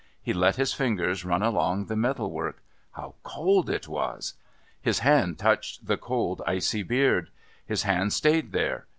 He let his fingers run along the metal work. How cold it was! His hand touched the cold icy beard! His hand stayed there.